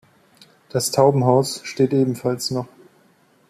Das Taubenhaus steht ebenfalls noch.